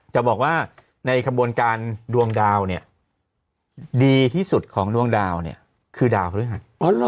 จะบอกว่าในกระบวนการดวงดาวดีที่สุดของดวงดาวคือดาวพระฤหัส